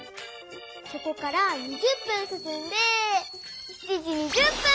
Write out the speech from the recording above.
そこから２０分すすんで７時２０分！